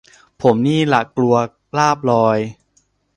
ผมนี่ล่ะกลัวลาบลอย